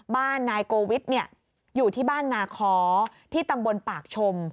นายโกวิทอยู่ที่บ้านนาคอที่ตำบลปากชม